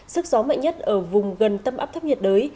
sức gió mạnh nhất ở vùng gần tâm áp thấp nhiệt đới